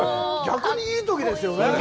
逆にいいときですよね。